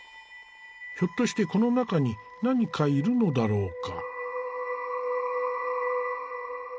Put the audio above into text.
ひょっとしてこの中に何かいるのだろうか。